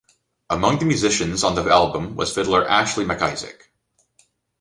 Among the musicians on the album was fiddler Ashley MacIsaac.